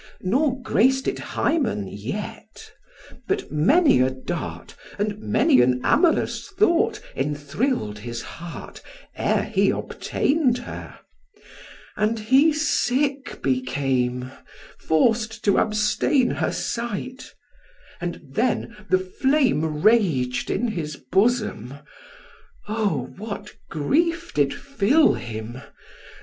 Nor grac'd it Hymen yet; but many a dart, And many an amorous thought, enthrill'd his heart, Ere he obtain'd her; and he sick became, Forc'd to abstain her sight; and then the flame Rag'd in his bosom. O, what grief did fill him!